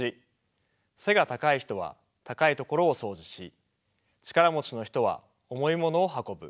背が高い人は高いところをそうじし力持ちの人は重いものを運ぶ。